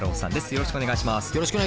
よろしくお願いします。